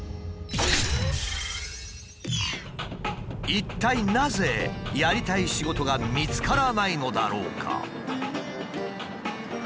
一体なぜやりたい仕事が見つからないのだろうか？